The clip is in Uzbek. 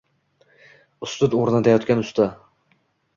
Ustun oʻrnatayotgan usta.